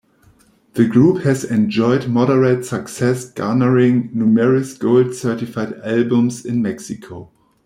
The group has enjoyed moderate success garnering numerous gold-certified albums in Mexico.